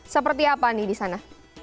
seperti apa nih di sana